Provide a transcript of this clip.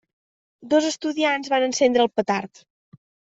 Dos estudiants van encendre el petard.